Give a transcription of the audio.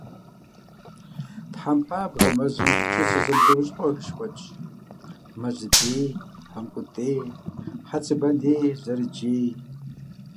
Тхьэмпабгъуэ мэзхэм чыцэ зэмылӀэужьыгъуэхэр щыкуэдщ: мэзыдей, мамкъутей, хъэцыбаней, зэрыджей.